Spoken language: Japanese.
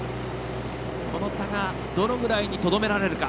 この差が、どのぐらいにとどめられるか。